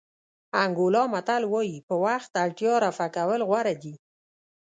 انګولا متل وایي په وخت اړتیا رفع کول غوره دي.